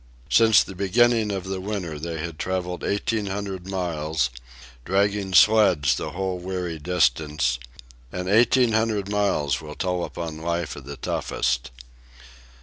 Since the beginning of the winter they had travelled eighteen hundred miles, dragging sleds the whole weary distance; and eighteen hundred miles will tell upon life of the toughest.